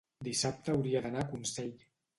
Dissabte hauria d'anar a Consell.